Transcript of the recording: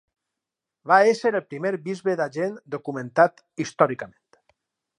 Va ésser el primer bisbe d'Agen documentant històricament.